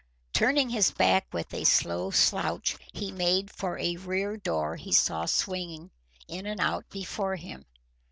Turning his back with a slow slouch, he made for a rear door he saw swinging in and out before him.